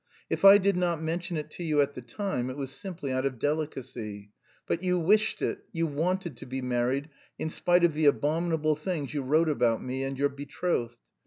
If I did not mention it to you at the time, it was simply out of delicacy. But you wished it, you wanted to be married, in spite of the abominable things you wrote about me and your betrothed.